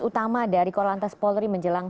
utama dari korlantas polri menjelang